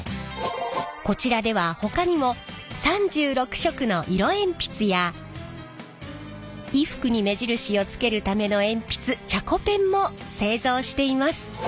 こちらではほかにも３６色の色鉛筆や衣服に目印をつけるための鉛筆チャコペンも製造しています。